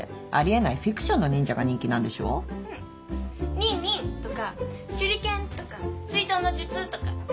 ニンニンとか手裏剣とか水遁の術とか。